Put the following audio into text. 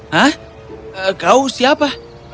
hah kau siapa